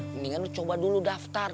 mendingan coba dulu daftar